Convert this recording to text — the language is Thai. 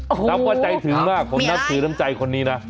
โอ้โฮมีอะไรน้องก็ใจถึงมากผมนับถือร่ำใจคนนี้นะ